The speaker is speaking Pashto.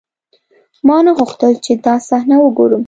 ما نه غوښتل چې دا صحنه وګورم.